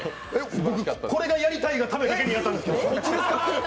僕、これがやりたいがためだけにやったんです。